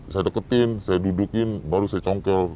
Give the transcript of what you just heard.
saya deketin saya dudukin baru saya congkel